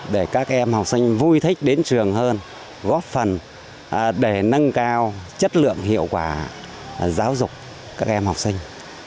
để các em học sinh vui thích đến trường hơn góp phần để nâng cao chất lượng hiệu quả giáo dục các em học sinh